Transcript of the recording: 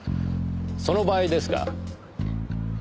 その場合ですが。